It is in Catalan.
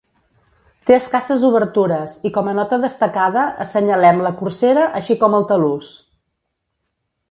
Té escasses obertures i com a nota destacada assenyalem la corsera, així com el talús.